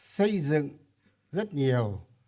xây dựng rất nhiều